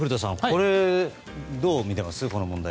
これ、どう見ています？